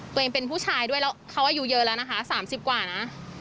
ตัวเองเป็นผู้ชายด้วยแล้วเขาอายุเยอะแล้วนะคะ๓๐กว่านะ